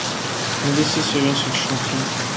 Un décès survient sur le chantier.